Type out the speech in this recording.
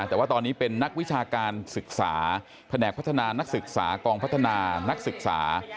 แต่ว่าตอนนี้เป็นนักวิชาการศึกษาแผนกพัฒนานักศึกษากองพัฒนานักศึกษา